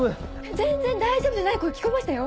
全然大丈夫じゃない声聞こえましたよ？